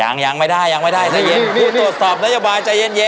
ยังไม่ได้ยังไม่ได้ใจเย็นผู้ตรวจสอบนโยบายใจเย็นเย็น